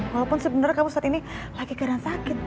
walaupun sebenarnya kamu saat ini lagi karena sakit